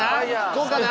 こうかな？